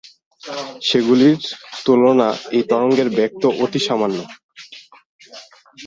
সেগুলির তুলনায় এ তরঙ্গের বেগ তো অতি সামান্য।